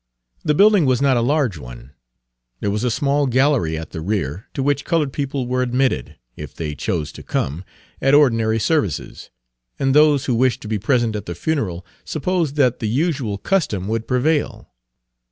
The building was not a large one. There was a small gallery at the rear, to which Page 285 colored people were admitted, if they chose to come, at ordinary services; and those who wished to be present at the funeral supposed that the usual custom would prevail.